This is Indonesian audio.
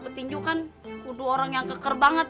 itu anak kemana sih